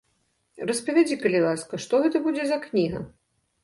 Распавядзі, калі ласка, што гэта будзе за кніга?